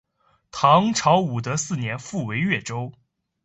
唐朝武德四年复为越州。